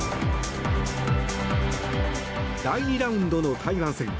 第２ラウンドの台湾戦。